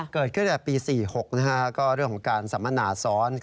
เกิดขึ้นแต่ปี๔๖ก็เรื่องของการสำนาสรรค์